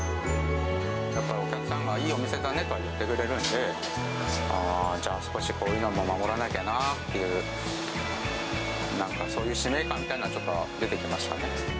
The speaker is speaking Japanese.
やっぱりお客さんがいいお店だねとは言ってくれるんで、じゃあ少しこういうの守らなきゃなっていう、なんかそういう使命感みたいなのは、ちょっと出てきましたね。